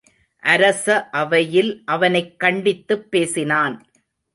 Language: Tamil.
அரச அவையில் அவனைக் கண்டித்துப் பேசினான்.